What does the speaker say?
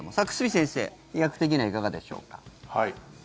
先生医学的にはいかがでしょうか？